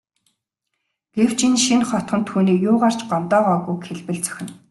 Гэвч энэ шинэ хотхон түүнийг юугаар ч гомдоогоогүйг хэлбэл зохино.